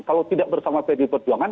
kalau tidak bersama pdi perjuangan